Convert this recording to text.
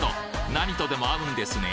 何とでも合うんですね